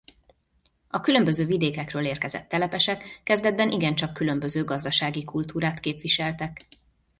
A különböző vidékekről érkezett telepesek kezdetben igencsak különböző gazdasági kultúrát képviseltek.